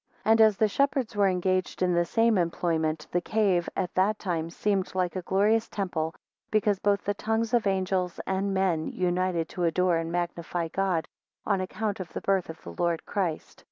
20 And as the shepherds were engaged in the same employment, the cave at that time seemed like a glorious temple, because both the tongues of angels and men united to adore and magnify God, on account of the birth of the Lord Christ.